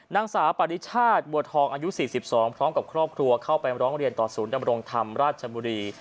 นางสาวปริชาติบัวทองอายุ๔๒พร้อมกับครอบครัวเข้าไปร้องเรียนต่อศูนย์ดำรงธรรมราชบุรี